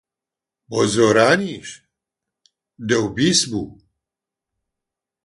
بۆ زۆرانیش دە و بیست بوو.